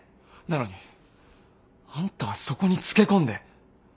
なのにあんたはそこにつけ込んで。